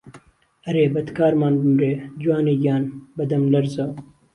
ئهرێ بهدکارمان بمرێ، جوانێ گیان به دهملهرزهوه